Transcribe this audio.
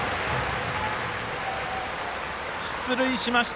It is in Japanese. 出塁しました。